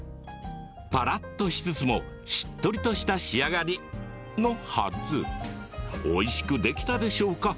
パラッとしつつもしっとりとした仕上がりのはずおいしくできたでしょうか。